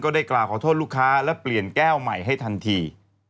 ได้กล่าวขอโทษลูกค้าและเปลี่ยนแก้วใหม่ให้ทันที